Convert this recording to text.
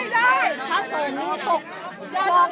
กลับไปถูกประตูห้างดีกว่านะครับ